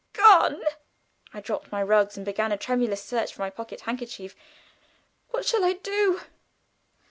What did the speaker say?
"Gone!" I dropped my rugs and began a tremulous search for my pocket handkerchief. "What shall I do?"